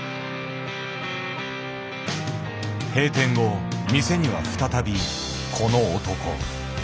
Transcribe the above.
閉店後店には再びこの男。